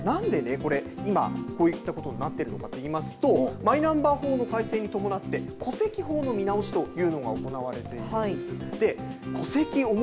何で、これ今こういったことになってるのかと言いますとマイナンバー法の改正に伴って戸籍法の見直しというのが行われているんです。